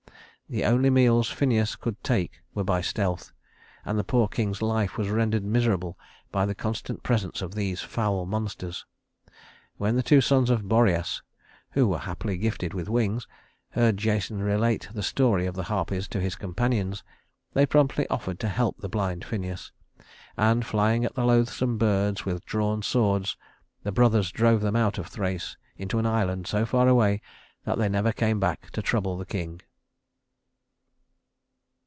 The only meals Phineus could take were by stealth, and the poor king's life was rendered miserable by the constant presence of these foul monsters. When the two sons of Boreas, who were happily gifted with wings, heard Jason relate the story of the Harpies to his companions, they promptly offered to help the blind Phineus; and, flying at the loathsome birds with drawn swords, the brothers drove them out of Thrace into an island so far away that they never came back to trouble the king.